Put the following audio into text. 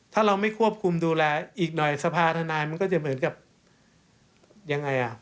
ถ้าเราไม่ควบคุมดูแลอีกหน่อยสภาธนายมันก็จะเหมือนกับยังไงอ่ะ